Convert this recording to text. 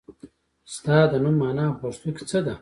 ستا د نوم مانا په پښتو کې څه ده ؟